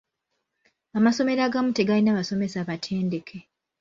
Amasomero agamu tegalina basomesa batendeke.